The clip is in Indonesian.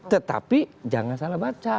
tetapi jangan salah baca